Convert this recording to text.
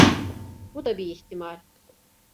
Bu da bir ihtimal.